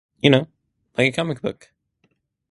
You know, like a comic book.